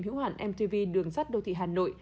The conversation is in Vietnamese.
hữu hạn mtv đường sắt đô thị hà nội